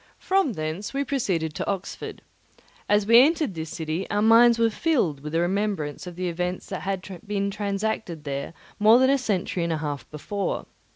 From thence we proceeded to Oxford. As we entered this city, our minds were filled with the remembrance of the events that had been transacted there more than a century and a half before.